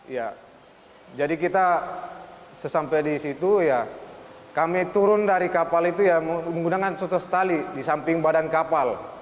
iya jadi kita sampai disitu ya kami turun dari kapal itu ya menggunakan sutas tali di samping badan kapal